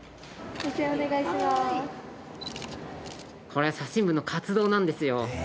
これは写真部の活動なんですよ。